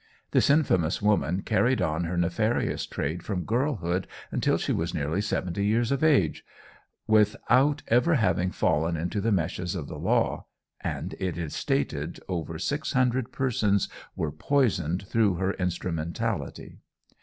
This infamous woman carried on her nefarious trade from girlhood until she was nearly seventy years of age, without ever having fallen into the meshes of the law, and it is stated over six hundred persons were poisoned through her instrumentality.